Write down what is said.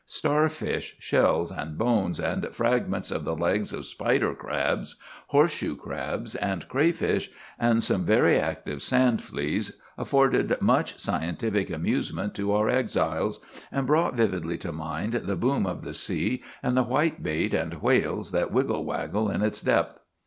Starfish, shells, and bones, and fragments of the legs of spider crabs, horseshoe crabs, and crayfish, and some very active sand fleas afforded much scientific amusement to our exiles, and brought vividly to mind the boom of the sea and the whitebait and whales that wiggle waggle in its depth.